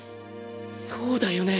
そうだよね。